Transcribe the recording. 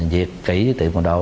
việc kỹ với tiệm cầm đồ